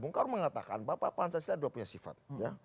bung karung mengatakan bapak pancasila itu punya sifat